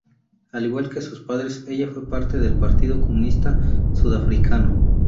Al igual que sus padres ella fue parte del Partido Comunista Sudafricano.